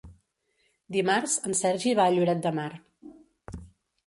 Dimarts en Sergi va a Lloret de Mar.